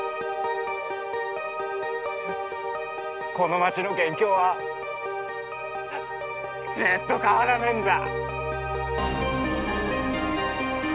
この町の元凶はずっと変わらねえんだ。